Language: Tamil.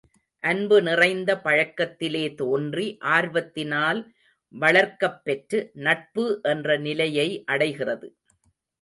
அன்பு நிறைந்த பழக்கத்திலே தோன்றி ஆர்வத்தினால் வளர்க்கப்பெற்று நட்பு என்ற நிலையை அடைகிறது.